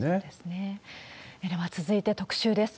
では続いて、特集です。